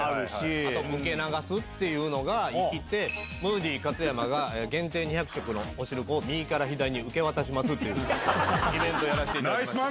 あと受け流すっていうのが生きて、ムーディ勝山が限定２００食のお汁粉を右から左に受け渡しますっていうイベントやらせていただきました。